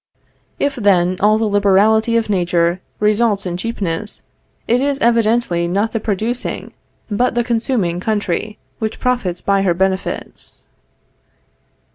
If then all the liberality of Nature results in cheapness, it is evidently not the producing, but the consuming country, which profits by her benefits.